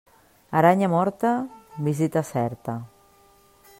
Aranya morta, visita certa.